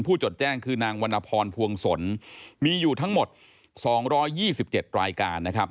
จดแจ้งคือนางวรรณพรพวงศลมีอยู่ทั้งหมด๒๒๗รายการนะครับ